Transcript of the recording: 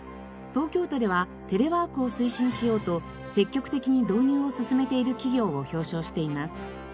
東京都ではテレワークを推進しようと積極的に導入を進めている企業を表彰しています。